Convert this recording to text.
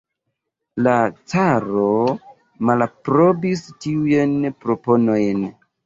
La caro malaprobis tiujn proponojn.